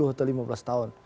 sepuluh atau lima belas tahun